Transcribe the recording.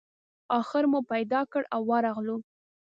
آخر مو پیدا کړ او ورغلو.